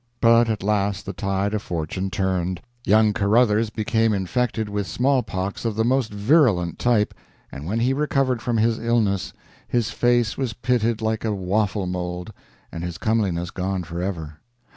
But at last the tide of fortune turned; young Caruthers became infected with smallpox of the most virulent type, and when he recovered from his illness his face was pitted like a waffle mold, and his comeliness gone forever.